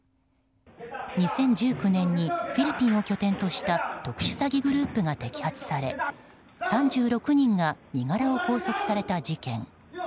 ２０１９年にフィリピンを拠点とした特殊詐欺グループが摘発され３６人が身柄を拘束された事件。